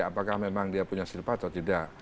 apakah memang dia punya silpa atau tidak